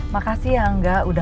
makasih ya enggak